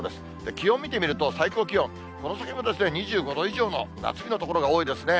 気温見てみると、最高気温、この先も２５度以上の夏日の所が多いですね。